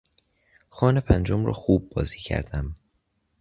خان پنجم را خوب بازی کردم.